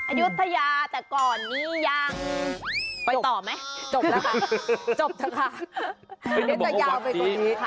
อายุธยาแต่ก่อนนี้ยังไปต่อไหมจบแล้วค่ะจบนะคะ